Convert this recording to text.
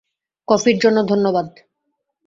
কফির জন্য ধন্যবাদ।